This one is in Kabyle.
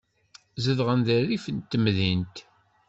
Zedɣen deg rrif n temdint.